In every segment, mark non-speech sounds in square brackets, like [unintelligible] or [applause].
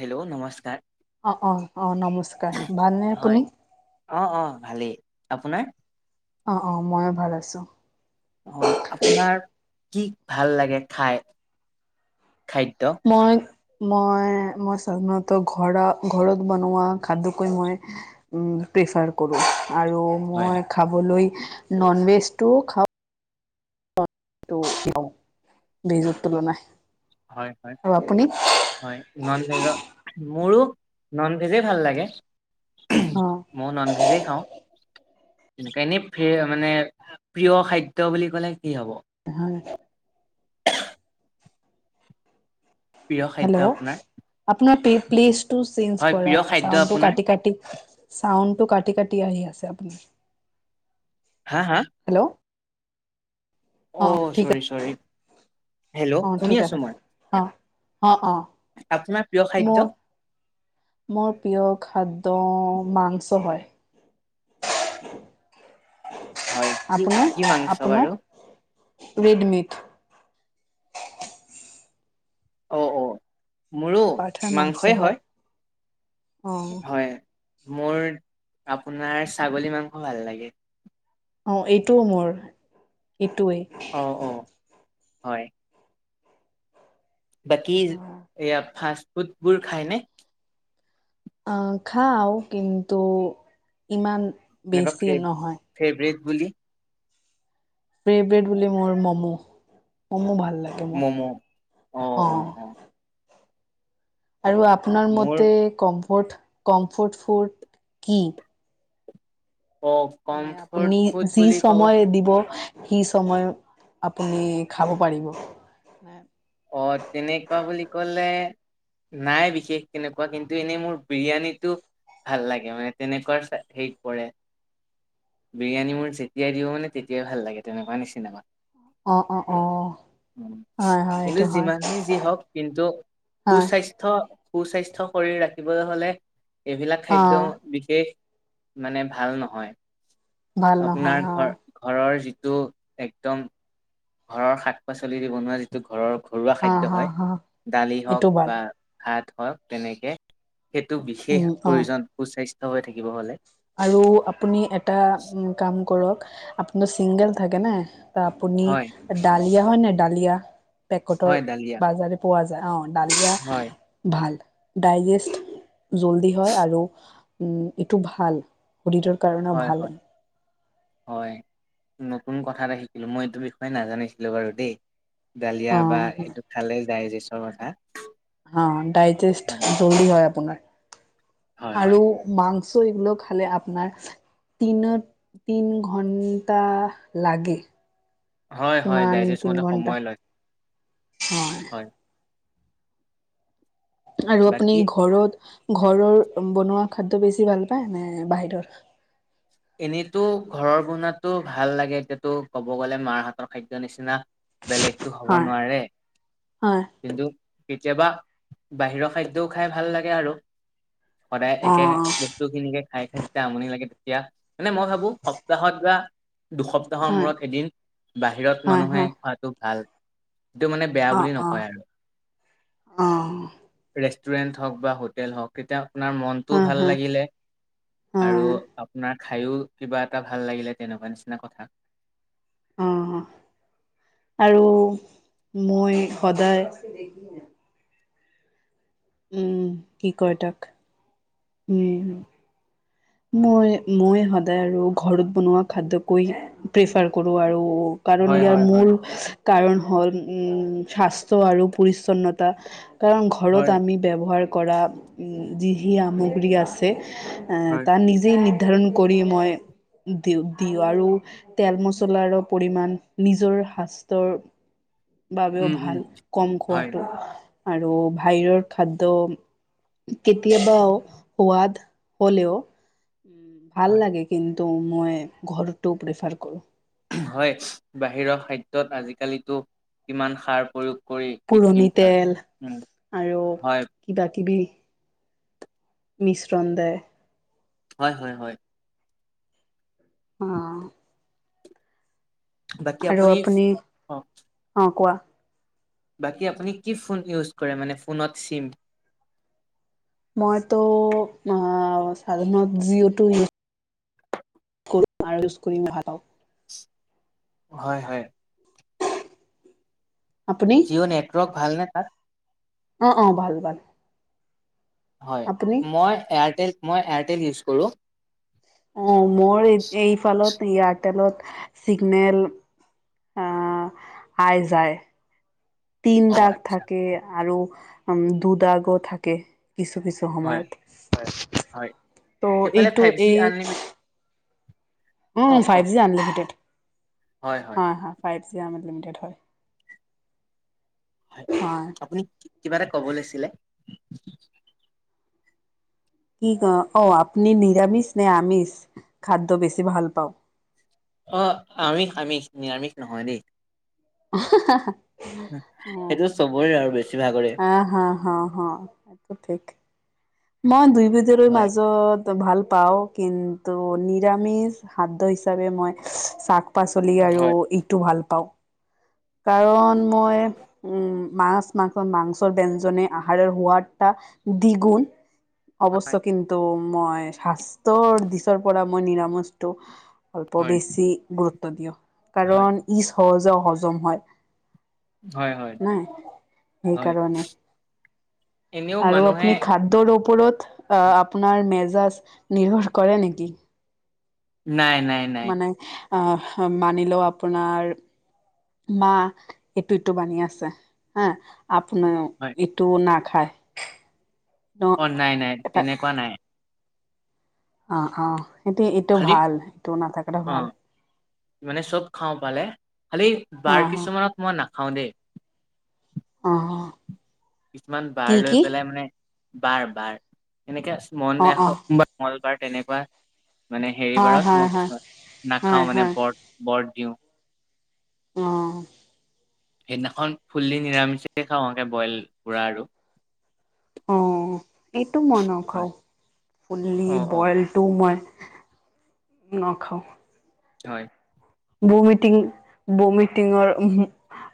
Hello নমস্কাৰ অ অ অ নমস্কাৰ ভালনে হয় আপুনি অ অ ভালেই আপোনাৰ অ অ মইো ভাল আছো অ আপোনাৰ কি ভাল লাগে খাই খাদ্য মই মই মই সাধাৰণত ঘৰত ঘৰত বনোৱা খাদ্যতকৈ মই উম প্ৰিফাৰ কৰো আৰু হয় মই খাবলৈ ননভেজটোও খাওঁ টো কিয় বিজৰ [unintelligible] হয় হয় হয় নন ভেজৰ মোৰো ননভেজেই ভাল লাগে অ মই ননভেজেই খাওঁ। এনেই মানে প্ৰিয় খাদ্য বুলি ক'লে কি হব? [unintelligible] প্ৰিয় খাদ্য হেল্ল আপোনাৰ আপোনাৰ পি প্লিছটো চেনজ হয় কৰা প্ৰিয় খাদ্য চাউণ্ডটো আপোনাৰ কাটি কাটি চাউণ্ডটো কাটি কাটি আহি আছে আপোনাৰ। হা হা? হেল্ল' অ চৰি চৰি। অ হেল্লো' ঠিক শুনি আছে আছো মই। অ অ অ আপোনাৰ প্ৰিয় খাদ্য মোৰ মোৰ প্ৰিয় খাদ ত মাংস হয়। হয় [inaudible] কি আপোনাৰ কি মাংস বাৰু আপোনাৰ ৰেডিমেত অ অ মোৰো পাঠাৰ মাংস মাংসই হয়। অ', হয় মোৰ আপোনাৰ ছাগলী মাংস ভাল লাগে। অ এইটোও মোৰ এইটোৱেই। অ', অ', হয়। বাকী এয়া ফাষ্ট ফুডবোৰ খাইনে? অহ খাও কিন্তু ইমান এনেকুৱা বেছি ফে নহয়। ফেভৰেট বুলি ফেভৰেট বুলি মোৰ ম'ম' ম'ম' ভাল লাগে মোৰ ম'ম'। অ আৰু আপোনাৰ মোৰ মতে কমফৰ্ট কমফৰ্ট ফুদ কি? অ', মানে কমফৰ্ট আপুনি ফুড যি বুলি ক'ব সময় দিব সি সময়ত আপুনি খাব পাৰিব নে অ তেনেকুৱা বুলি ক'লে নাই বিশেষ কেনেকুৱা কিন্তু এনেই মোৰ বিৰিয়ানীটো ভাল লাগে মানে তেনেকুৱা হেৰিত পৰে। বিৰিয়ানী মোৰ যেতিয়াই দিব মানে তেতিয়াই ভাল লাগে তেনেকুৱা নিচিনা হয়। অ অ অ হয় হয়। কিন্তু এইটো হয় যিমানেই যি হওক কিন্তু হয় সুস্বাস্থ্য সুস্বাস্থ্য শৰীৰ ৰাখিবলৈ হলে এইবিলাক অ খাদ্য বিশেষ মানে ভাল নহয় ভাল নহয় আপোনাৰ অ ঘৰ ঘৰৰ যি টো একদম ঘৰৰ শাক-পাচলি দি বনোৱা যিটো ঘৰৰ ঘৰুৱা অ খাদ্য হ হয় হ দালি হওঁক এইটো ভাল বা ভাত হওঁক তেনেকে সেইটো বিশেষ উম অ প্ৰয়োজন সুস্বাস্থ্য হৈ থাকি আৰু আপুনি এটা কাম কৰক আপুনৰ চিংগল থাকে নে আপুনি হয় ডালিয়া হয় নে ডালিয়া পেকটৰ হয় ডালিয়া বাজাৰে পোৱা যায় অ ডালিয়া হয় ভাল, ডাইজেষ্ট জল্দি হয় আৰু উম এইটো ভাল শৰীৰৰ কাৰণেও হয় হয় ভালে। হয় নতুন কথা এটা শিকিলো মই এইটো বিষয়ে নাজানিছিলো বাৰু দেই। ডালিয়া অ বা এইটো খালে ডায়জেষ্টৰ কথা অ ডাইজেষ্ট হয় জল্দি হয় আপোনাৰ হয় হয় আৰু মাং চ' এইবোৰ খালে আপনাৰ দিনত তিন ঘণ্টা লাগে। হয় হয় কিমান ডাইজেষ্ট হওঁতে তিনি ঘন্টা সময় লয় হয় আৰু আপুনি বাকী ঘৰত ঘৰৰ বনোৱা খাদ্য বেছি ভাল পায় নে বাহিৰৰ? এনেইটো ঘৰৰ বনোৱাটো ভাল লাগে, এতিয়াতো ক'ব গ'লে মাৰ হাতৰ খাদ্যৰ নিচিনা বেলেগতো হ'ব হয় নোৱাৰে। হয় কিন্তু কেতিয়াবা বাহিৰৰ খাদ্যও খাই ভাল লাগে আৰু। সদায় অ একে বস্তুখিনিকে খাই খাই যেতিয়া আমনি লাগে। দিয়া, মানে মই ভাবো সপ্তাহত বা দুসপ্তাহৰ হয় মূৰত এদিন বাহিৰত হয় মানুহে হয় খোৱাাতটো ভাল। এইটো মানে বেয়া অ বুলি অ নকয় আৰু। অ [unintelligible] [unintelligible] হওঁক বা হোটেল হওঁক তেতিয়া আপোনাৰ মনটোও হয় ভাল হয় লাগিলে। আৰু হয় আপোনাৰ খাইয়ো কিবা এটা ভাল লাগিলে, তেনেকুৱা নিচিনা কথা। অ আৰু মই সদায় উম কি কয় তাক, উম'। মই মই সদায় আৰু ঘৰত বনোৱা খাদ্যকৈ প্ৰিফাৰ কৰো আৰু কাৰণ হয় ইয়াৰ হয় হয় মূল, কাৰণ হ'ল উম, স্বাস্থ্য আৰু পৰিচ্ছন্নতা কাৰণ ঘৰত হয় আমি ব্যৱহাৰ কৰা যি হি সামগ্ৰী আছে, এ হয় যি নিৰ্ধাৰণ কৰি মই দিওঁ, দিওঁ আৰু তেল মছলাৰ পৰিমাণ নিজৰ শাস্তৰ বাবেও উম উম ভাল কম হয়। খোৱাটো আৰু ভাহিৰৰ খাদ্য কেতিয়াবাও হোৱাদ হ'লেও ভাল হয় লাগে কিন্তু, মই ঘৰটো প্ৰিফাৰ কৰোঁ। হয় বাহিৰৰ খাদ্যত আজিকালিতো কিমান সাৰ প্ৰয়োগ কৰি পুৰণি কৃত্ৰিম সাৰ। তেল উম আৰু হয় কিবা কিবি মিশ্ৰণ দে হয়, হয়, হয়। আহ। আৰু আপুনি, অ অ', কোৱা? বাকী আপুনি কি ফোন ইউজ কৰে, মানে ফোনত চিম। মইতো অ', সাধাৰণত যযিটো, [unintelligible] [inaudible] কৰিম [unintelligible] হয়, হয়। আপুনি জিঅ' নেটৱৰ্ক ভালনে তাত? অ', অ', ভাল ভাল। হয়। আপুনি মই এয়াৰটেল, মই এয়াৰটেল ইউজ কৰোঁ। অ', মোৰ এইফালত ইয়াত তেলত চিগনেল আহ, আই যায় তিন অ দাগ আচ্ছা থাকে আৰু উম, দু দাগও থাকে। কিছু কিছু হয় সময়ত হয়। তো সেইফালে এইটো ফাইভ জি এই। আনলিমিট কওক কওক ফ্ৰাইভ জি আনলিমিটেড হয়, হয়, ফ্ৰাইভ জি আনলিমিটেড হয়। হয়। আপুনি কিবা এটা ক'ব লৈছিলে। কি আপুনি নিৰামিষ নে আমিষ? খাদ্য বেছি ভাল পাও অ' আমিষ, আমিষ, নিৰামিষ নহয় দেই। [unintelligible] সেইটো চবৰে আৰু বেছি ভাগ আহ হা হা হা এইটো ঠিক, মই দুই বজাৰৰ হয় মাজত তো ভাল পাওঁ। কিন্তু নিৰামিষ খাদ্য হিচাপে মই শাক পাচলি আৰু হয় এইটো ভাল পাওঁ। [unintelligible] কাৰণ মই উম, মাছ, মাংসৰ মাংসৰ ব্যঞ্জনেৰে আহাৰৰ সোৱাদটা। দৃ গুণ। হয় অৱশ্যে, কিন্তু মই স্বাস্থ্যৰ দিশৰ পৰা মই নিৰামিষটো অল্প বেছি গুৰুত্ব দিওঁ। হয় কাৰণ ইজ সহজে হজম হয়। হয় হয় নাই সেই হয় কাৰণে এনেও আৰু মানুহে আপুনি খাদ্যৰপ ওপৰত আহ আপোনাৰ মেজাজ নিৰ্ভৰ কৰে নেকি? নাই নাই নাই অহ মানি লওঁ আপোনাৰ মা এইটো এটো বানি আছে হা আপোনাৰা হয় ইটোও নাখায়? ন অ নাই নাই তেনেকুৱা নাই অহ অহ এটো [unintelligible] এইটো খালি ভাল এইটো নাথাকাটো অ ভাল। মানে চব খাওঁ পালে খালি হা বাৰ হা কিছুমানত মই নাখাওঁ দেই অহ কিছুমান বাৰ লৈ পেলাই মানে বাৰ বাৰ এনেকে মন অ এ অ [unintelligible] মল বাৰ তেনেকুৱা মানে হয় হেৰিবাৰত হয় মই হয় কিছুমান হয় নাখাওঁ মানে হয় ব্ৰত ব্ৰত দিওঁ অ সেইদিনাখন ফুল্লি নিৰামিষে খাওঁ এনেকে বইল পুৰা আৰু অ এইটো মই হয়। নখাওঁ ফুল্লি অ অ বইলটো মই ন খাওঁ হয় বমিটিং বমিটিংৰ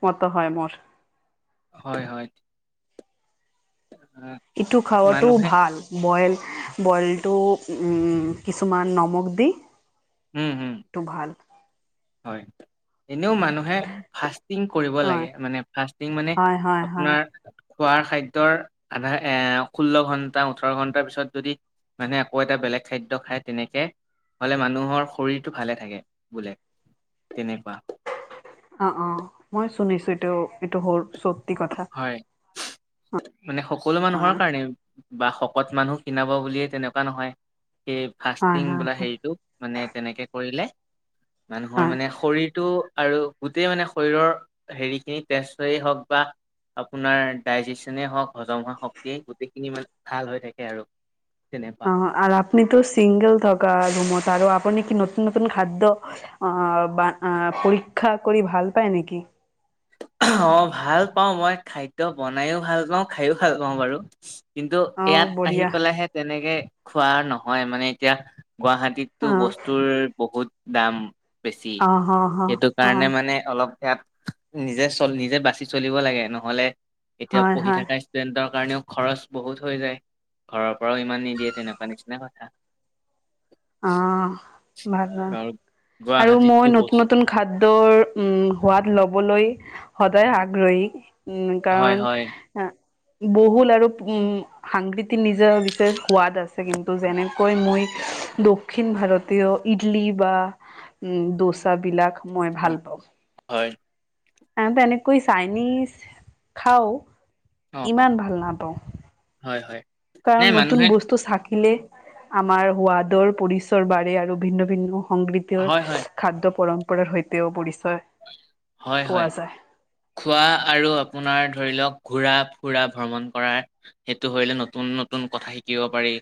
মত হয় মোৰ হয় হয় আহ, ইটো খাৱাটোও মানুহে ভাল বইল বইলটো উম কিছুমান নমক দি হম হম এইটো ভাল হয় এনেও মানুহে ফাষ্টিং কৰিব হয় লাগে মানে ফাষ্টিং মানে হয় হয় হয় আপোনাৰ খোৱাৰ খাদ্যৰ আধা এ ষোল্ল ঘন্টা ওঠৰ ঘন্টাৰ পিছত যদি মানে আকৌ এটা বেলেগ খাদ্য খায় তেনেকে হলে মানুহৰ শৰীৰটো ভালে থাকে বোলে। তেনেকুৱা অ অ মই শুনিছো এইটো এইটো হৰু সত্যি কথা হয়। মানে সকলো মানুহৰ হয় কাৰণেই বা শকত মানুহ খীনাব বুলিয়ে তেনেকুৱা নহয় সেই হয় ফাষ্টিং হয় বোলা হেৰিটো মানে তেনেকে কৰিলে মানুহৰ হয় মানে শৰীৰটো আৰু গোটেই মানে শৰীৰৰ হেৰিখিনি তেজটো এ হওক বা আপোনাৰ ডাইজেচনেই হওঁক হজম হোৱা শক্তিয়ে গোটেইখিনি মানে ভাল হৈ থাকে আৰু তেনেকুৱা অ হয় আৰু আপনি তো চিংগেল থকা ৰুমত আৰু আপুনি কি নতুন নতুন খাদ্য অ বা পৰীক্ষা কৰি ভাল পায় নেকি? অ ভাল পাওঁ মই খাদ্য বনাইও ভাল পাওঁ খাই ও ভাল পাওঁ বাৰু কিন্তু অহ ইয়াত আহি বঢ়িয়া পেলাইহে তেনেকে খোৱা নহয় মানে এতিয়া গুৱাহাটীততো অহ বস্তুৰ বহুত দাম বেছি অহ হ সেইটো হ অ কাৰণে মানে অলপ ইয়াত নিজে চল নিজে বাচি চলিব লাগে নহ'লে এতিয়া হয় পঢ়ি হয় থকা ষ্টুডেণ্টক কাৰণেও খৰচ বহুত হৈ যায় ঘৰৰ পৰাও ইমান নিদিয়ে তেনেকুৱা নিচিনা কথা অহ ভালে আৰু আৰু গুৱাহাটীততো মই নতুন বস্তু নতুন খাদ্যৰ উম সোৱাদ লবলৈ সদায় আগ্ৰহী উম হয় কাৰণ হয় অ বহুল আৰু উম সাংক্ৰীতি নিজৰ বিশেষ সোৱাদ আছে কিন্তু যেনেকৈ মই দক্ষিণ ভাৰতীয় ইডলি বা দোচাবিলাক মই হয় ভাল পাওঁ হয় আমিতো এনেকৈ চাইনিজ খাও অ ইমান ভাল নাপাওঁ। হয় হয় নাই কাৰণ নতুন মানুহে বস্তু শাক আমাৰ সোৱাদৰ পৰিচৰ বাৰে আৰু ভিন্ন ভিন্ন। সংগৃতৰ হয় হয় খাদ্য পৰম্পৰাৰ সৈতেও পৰিছে। হয়, হয়, খোৱা আৰু আপোনাৰ ধৰি লওঁক। ঘূৰা ফুৰা ভ্ৰমণ কৰা, সেইটো হ'লে নতুন নতুন কথা শিকিব পাৰি,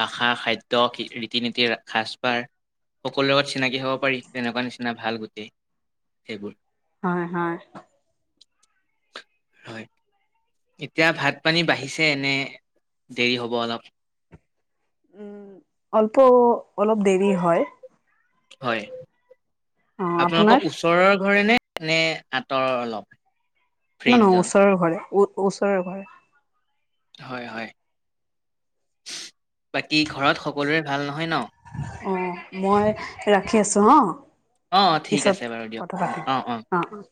ভাষা খাদ্য, ৰীতি-নীতিৰ, সাজ-পাৰ সকলোৰে লগত চিনাকি হ'ব পাৰি। তেনেকুৱা নিচিনা ভাল গোটেই সেইবোৰৰ। হয়, হয়। হয়। এতিয়া, ভাত পানী বাঢ়িছে নে দেৰি হ'ব অলপ? উম, অলপ অলপ দেৰি হয়। হয়। অ আপোনালোকৰ আপোনাৰ ওচৰৰ ঘৰে নে? এনে আঁতৰ অলপ? ন ন ফ্ৰেণ্ডজন ওচৰৰ ঘৰে, ও-ওচৰৰ ঘৰে। হয়, হয়। বাকী ঘৰত সকলোৰে ভাল নহয় ন'? অ', মই ৰাখি আছোঁ হ। অ ঠিক আছে পিছত বাৰু দিয়ক কথা পাতিম, অ অ', অ'।